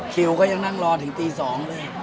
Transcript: คิวก็ยังนั่งรอถึงตี๒เลย